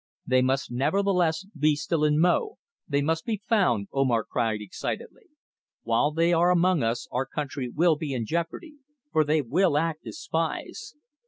"They must nevertheless be still in Mo. They must be found," Omar cried excitedly. "While they are among us our country will be in jeopardy, for they will act as spies.